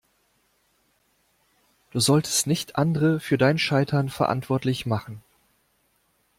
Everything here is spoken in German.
Du solltest nicht andere für dein Scheitern verantwortlich machen.